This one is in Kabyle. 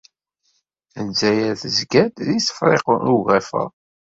Ldzayer tezga-d deg Tefriqt n Ugafa.